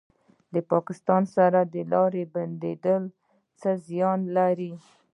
د پاکستان سره د لارې بندیدل څه زیان لري؟